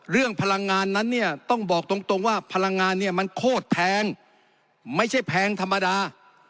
พลังงานนั้นเนี่ยต้องบอกตรงว่าพลังงานเนี่ยมันโคตรแพงไม่ใช่แพงธรรมดา